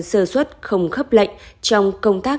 sơ suất không khấp lệnh trong công tác